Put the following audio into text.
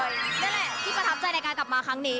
นั่นแหละที่ประทับใจในการกลับมาครั้งนี้